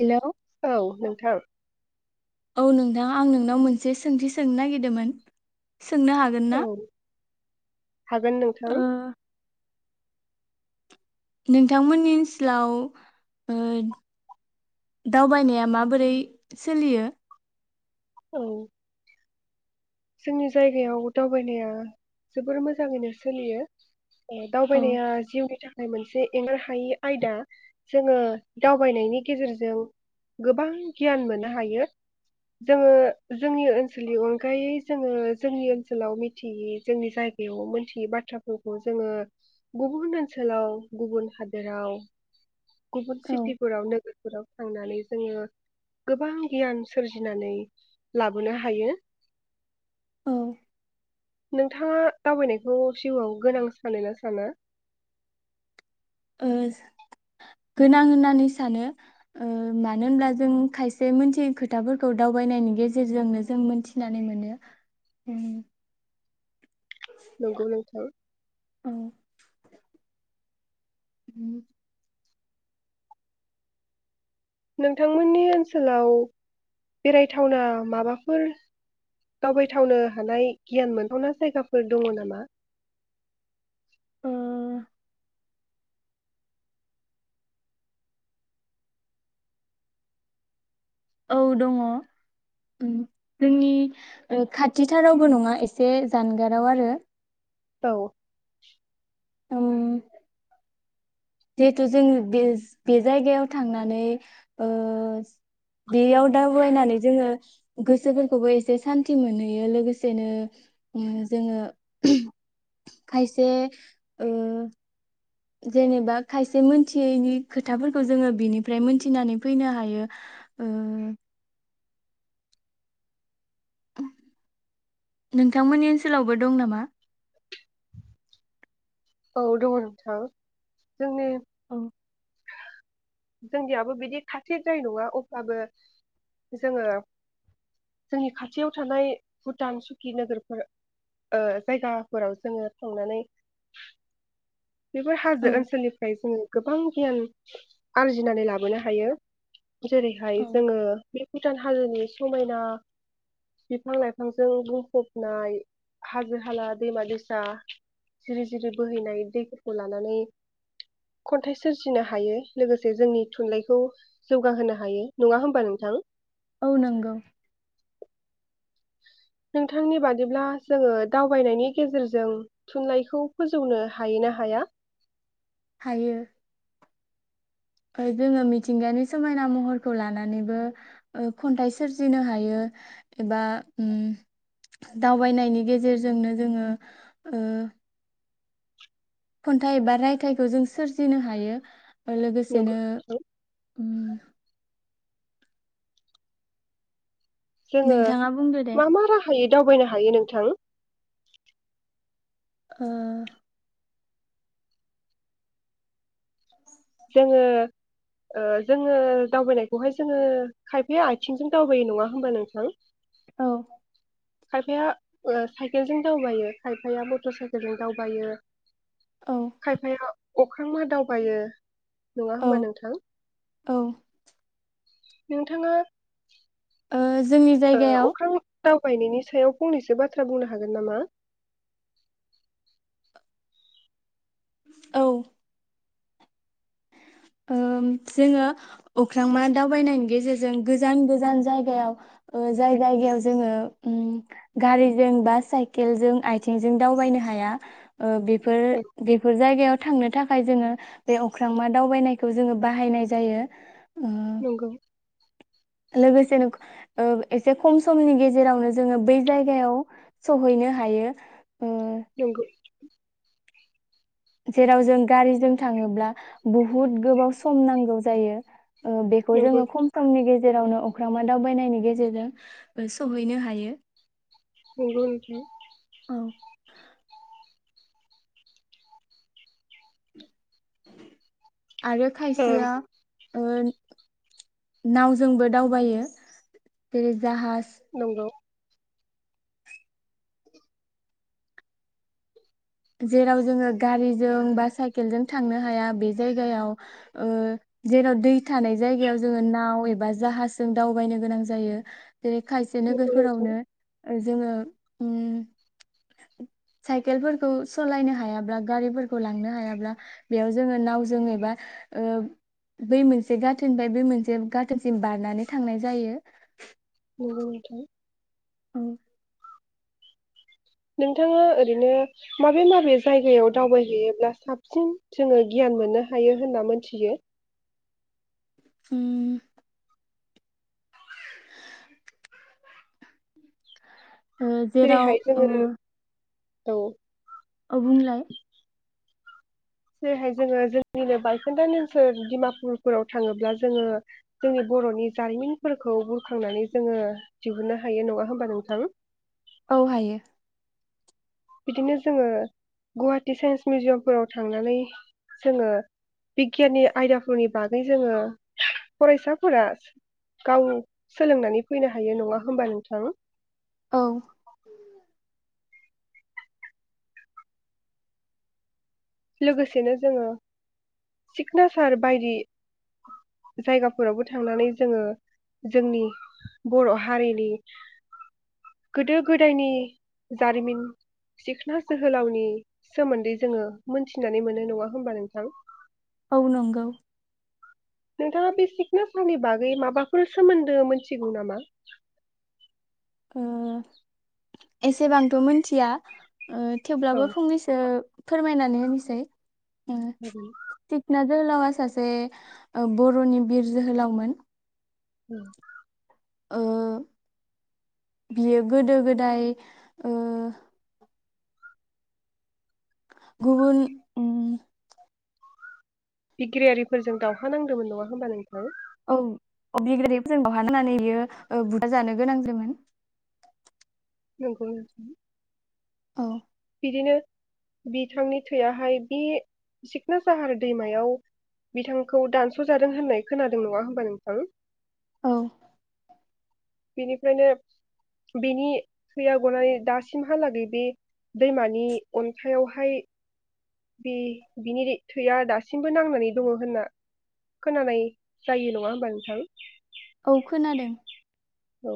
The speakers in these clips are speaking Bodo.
हेलौ औ नोंथां। औ नोंथां आं नोंनाव मोनसे सोंथि सोंनो नागिरदोमोन? सोंनो हागोन ना? औ हागोन नोंथां ओ। नोंथांमोननि ओनसोलाव ओ दावबायनाया माबोरै सोलियो? औ जोंनि जायगायाव दावबायनाया जोबोर मोजाङैनो सोलियो। ए औ दावबायनाया जिउनि था थाखाय मोनसे एंगार हायि आयदा जोङो दावबायनायनि गेजेरजों गोबां गियान मोननो हायो। जोङो जोंनि ओनसोलनि अनगायै जोङो जोंनि ओनसोलाव मिथियि जोंनि जायगायाव मोनथियि बाथ्राफोरखौ जोङो गुबुन ओनसोलाव गुबुन हादोराव गुबुन औ चिटिफोराव नोगोरफोराव थांनानै जोङो गोबां गियान सोरजिनानै लाबोनो हायो। औ। नोंथाङा दावबायनायखौ जिउआव गोनां सानो ना साना? ओ गोनां होननानै सानो ओ मानो होनब्ला जों खायसे मोनथियै खोथाफोरखौ दावबायनायनि गेजेरजोंनो जों मोनथिनानै मोनो। ओम नंगौ नोंथां। औ [unintelligible] नोंथांमोननि ओनसोलाव बेरायथावना माबाफोर दावबायथावनो हानाय गियान मोनथावना जायगाफोर दङ नामा? ओ औ दङ जोंनि खाथिथारावबो नङा एसे जानगाराव आरो। औ ओम जेहेथु जोङो बे बे जायगायाव थांनानै ओ बेयाव दावबायनानै जोङो गोसोफोरखौबो एसे सान्थि मोनहैयो लोगोसेनो उम ओ जोङो खायसे ओ जेनेबा खायसे मोनथियैनि खोथाफोरखौ जोङो बिनिफ्राय मोनथिनानै फैनो हायो ओ नोंथांमोननि ओनसोलावबो दं नामा? औ दङ नोंथां जोंनि औ जोंनियाबो बिदि खाथिद्राय नङा अब्लाबो जोङो जोंनि खाथियाव थानाय भुटान सुकि नोगोरफोर ओह जायगाफोराव जोङो थांनानै बेफोर औ हाजो ओनसोलनिफ्राय जोङो गोबां गियान आरजिनानै लाबोनो हायो। जेरैहाय औ जोङो बे भुटान हाजोनि समायना बिफां लाइफांजों बुंफबनाय हाजो हाला दैमा दैसा जिरि जिरि बोहैनाय दैफोरखौ लानानै खन्थाइ सोरजिनो हायो लोगोसे जोंनि थुनलाइखौ जौगाहोनो हायो नङा होमबा नोंथां औ नंगौ। नोंथांनि बादिब्ला जोङो दावबायनायनि गेजेरजों थुनलाइखौ फोजौनो हायो ना हाया? हायो जोङो मिथिंगानि समायना महरखौ लानानैबो खन्थाइ सोरजिनो हायो एबा दावबायनायनि गेजेरजोंनो जोङो खन्थाइ एबा रायथाइखौ जों सोरजिनो हायो। नंगौ लोगोसेनो नोंथां। जोंङो नोंथाङा बुंदो दे मा मा राहायै दावबायनो हा हायो नोंथां। ओ जोङो जोङो दावबायनायखौहाय जोङो खायफा आथिंजों दावबायो नङा होमबा नोंथां? औ। खायफाया ओ साइकेलजों दावबायो खायफाया मटर साइकेलजों दावबायो। औ खायफाया अख्रां मा दावबायो नङा औ होमबा नोंथां? औ नोंथाङा ओ जोंनि ओ जायगायाव अख्रां दावबायनायनि सायाव फंनैसो बाथ्रा बुंनो हागोन नामा? औ जोङो अख्रांमा दावबायनायनि गेजेरजों गोजान गोजान जायगायाव जाय जायगायाव जोङो गारिजों बा साइकेलजों आथिंजों दावबायनो हाया। औ बेफोर बेफोर जायगा थांनो थाखाय जोङो बे अख्रांमा दावबायनाय खो जोङो बाहायनाय जायो नंगौ लोगोसेनो एसे खम समनि गेजेरावनो जोङो बै जायगायाव सहैनो हायो। ओ नंगौ जेराव जों गारिजों थाङोब्ला बहुद गोबाव सम नांगौ जायो। ओ बेखौ नंगौ जोङो खम समनि गेजे जेरावनो अख्रांमा दावबायनायनि गेजेरजों सहैनो हायो नंगौ नोंथां। औ आरो ओ खायसेया ओ नावजोंबो दावबायो जेरै जाहाज नोंगौ। जेराव जोंङो गारिजों बा साइकेलजों थांनो हाया बे जायगायाव ओ जेराव दै थानाय जायगायाव जोंङो नाव एबा जाहाजजों दावबायनो गोनां जायो। जेरै खायसे नंगौ नोंथां नोगोरफोरावनो जोङो उम साइकेलफोरखौ सलायनो हायाब्ला गारिफोरखौ लांनो हायाब्ला बेयाव जोङो नावजों एबा बै मोनसे गाथोननिफ्राय बै मोनसे गाथोनसिम बारनानै थांनाय जायो। नंगौ नोंथां उम नोंथाङा ओरैनो माबे माबे जायगायाव दावबायहैयोब्ला साबसिन जोङो गियान मोननो हायो होनना मोनथियो? होम ओ जेराव जेरैहाय ओ जोङो औ औ बुंलाय। जेरैहाय जोङो जोंनिनो बायखोन्दानि ओनसोल दिडिमापुरफोराव थाङोब्ला जोङो जोंनि बर'नि जारिमिनफोरखौ बुरखांनानै जोङो दिहुननो हायो नङा होमबा नोंथां औ हायो। बिदिनो जोङो गुवाहाटि साइन्स मिउजियामफोराव थांनानै जोङो बिगियाननि आयदाफोरनि बागै जोङो फरायसाफोरा गाव सोलोंनानै फैनो हायो नङा होमबा नोंथां? औ लोगोसेनो जोङो सिखनाजार बायदि जायगाफोरावबो थांनानै जोङो जोंनि बर' हारिनि गोदो गोदायनि जारिमिन सिखना जोहोलावनि सोमोन्दै जोङो मोनथिनानै मोनो नङा होमबा नोंथां? औ नंगौ नोंथाङा बे सिखना जारनि बागै माबाफोर सोमोन्दो मोनथिगौ नामा? ओ एसेबांथ मिथिया ओ औ थेवब्लाबो फंनैसो फोरमायनानै होनोसै हागोन सिखोना जोहोलावा सासे ओ बर'नि बिर जोहोलावमोन। उम। ओ बियो गोदो गोदाय ओ गुबुन बिग्रायारिफोरजों दावहा नांदोंमोन नङा होमबा नोंथां? औ अ बिग्रायारिफोरजों दावहा नांनानै बियो बुथार जानो गोनां जादोंमोन नंगौ औ बिदिनो बिथांनि थैयाहाय बे सिखना साहार दैमायाव बिथांखौ दानस'जादों होननाय खोनादों नङा होमबा नोंथां। औ बेनिफ्रायनो बेनि थैया गनानै दासिमहालागै बे दैमानि अन्थायाइावहाय बे बिनि थैआ दासिमबो नांनानै दङ होनना खोनानाय जायो नङा होमबा नोंथां औ खोनादों औ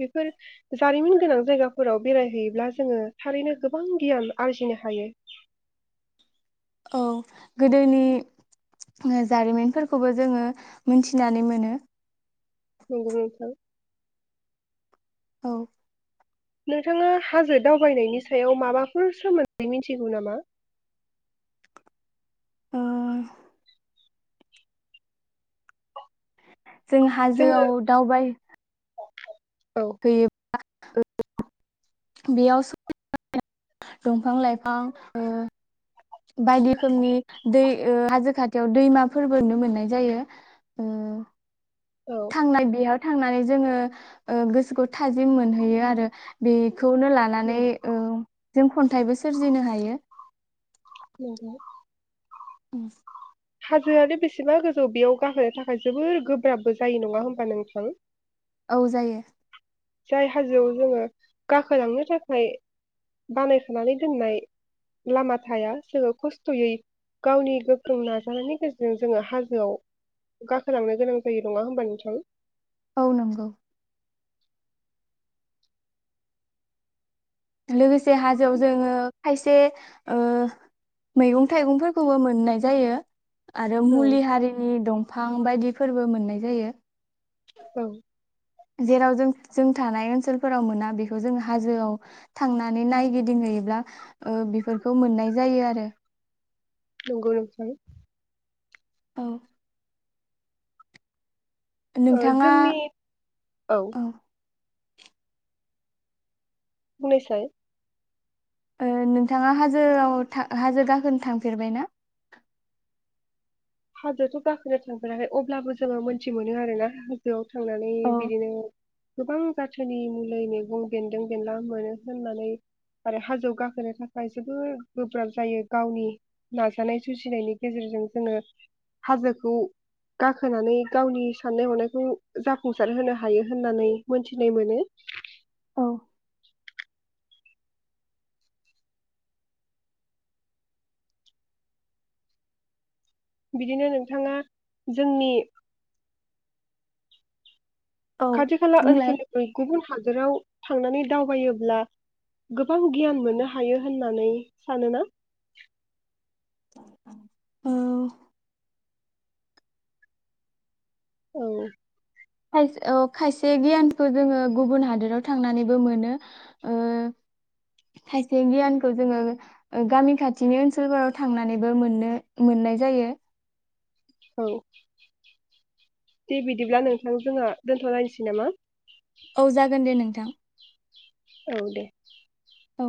बेफोर जारिमिन गोनां जायगाफोराव बेरायहैयोब्ला जोङो थारैनो गोबां गियान आरजिनो हायो। औ गोदोनि जारिमिनफोरखौबो जोङो मोनथिनानै मोनो नंगौ नोंथां औ नोंथाङा हाजो दावबायनायनि सायाव माबाफोर सोमोन्दै मिथिगौ नामा? ओ जों जोङो हाजोआव दावबाय औ होयो बेयाव [inaudible] दंफां लाइफां ओ बायदि रोखोमनि दै ओ हाजो खाथियाव दैमाफोरबो नुनो मोननाय जायो उम औ थांनाय बिहाद थांनानै जोङो ओ गोसोखौ थाजिम मोनहैयो आरो बे खौनो लानानै ओ जों खन्थाइबो सोरजिनो हायो। नंगौ। उम हाजोआनो बेसेबा गोजौ बेयाव गाखोनो थाखाय जोबोर गोब्राबबो जायो नङा होमबा नोंथां? औ जायो। जाय हाजोआव जोङो गाखोलांनो थाखाय बानायखानानै दोननाय लामा थाया जोङो खस्थ'यै गावनि गोख्रों नाजानायनि गेजेरजों जोङो हाजोआव गाखोलांनो गोनां जायो नङा होमबा नोंथां? औ नोंगौ। लोगोसे हाजोआव जोङो खायसे ओ मैगं थाइगंफोरखौबो मोननाय जायो। आरो औ मुलि हारिनि दं फां बायदिफोरबो मोननाय जायो। औ जेराव जों जों थानाय ओनसोलफोराव मोना बेखौ जों हाजोआव थांनानै नायगिदिंहैयोब्ला बेफोरखौ मोननाय जायो आरो नंगौ नोंथां औ ओ नोंथाङा जोंनि औ बुंनाय साय। ओ नोंथाङा हाजोआव हाजो गाखोनो थांफेरबाय ना? हाजोथ' गाखोनो थांफेराखै अब्लाबो जोङो मोन्थि मोनो आरोना हाजोआव थांनानै औ बिदिनो गोबां जाथोनि मुलि मैगं बेन्दों बेन्ला मोनो होननानै आरो हाजोआव गाखोनो थाखाय जोबोद गोब्राब जायो गावनि नाजानाय जुजिनायनि गेजेरजों जोङो हाजोखौ गाखोनानै गावनि साननाय हनायखौ जाफुंसार होनो हायो होननानै मोनथिनाय मोनो। औ बिदिनो नोंथाङा जोंनि औ खाथि खाला बुंलाय ओनसोलनिफ्राय गुबुन हादोराव थांनानै दावबायोब्ला गोबां गियान मोननो हायो होननानै सानो ना? औ औ खाय औ खायसे गियानखौ जोङो गुबुन हादोराव थांनानैबो मोनो ओ खायसे गियानखौ जोङो गामि खाथिनि ओनसोलफोराव थांनानैबो मोननो मोननाय जायो। औ दे बिदिब्ला नोंथां जोंहा दोनथ'लायनोसै नामा औ जागोन दे नोंथां औ दे औ